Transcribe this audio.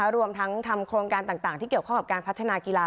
รวมทั้งทำโครงการต่างที่เกี่ยวข้องกับการพัฒนากีฬา